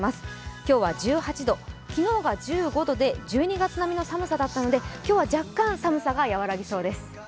今日は１８度、昨日は１５度で１２月並みの寒さだったので今日は若干、寒さが和らぎそうです